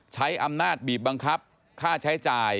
ใช้อำนาจบีบบังคับค่าใช้จ่าย